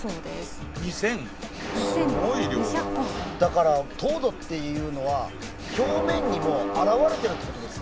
だから糖度っていうのは表面にも表れてるってことですね。